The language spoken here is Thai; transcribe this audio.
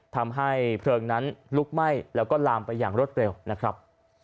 ทำให้เพลิงนั้นลุกไหม้แล้วก็ลามไปอย่างรวดเร็วนะครับ